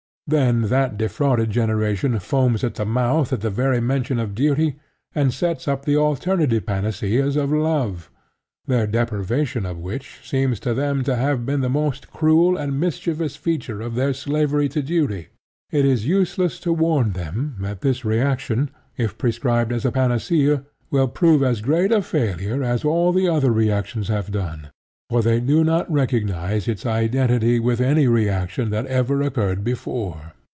Then that defrauded generation foams at the mouth at the very mention of duty, and sets up the alternative panacea of love, their deprivation of which seems to them to have been the most cruel and mischievous feature of their slavery to duty. It is useless to warn them that this reaction, if prescribed as a panacea, will prove as great a failure as all the other reactions have done; for they do not recognize its identity with any reaction that ever occurred before.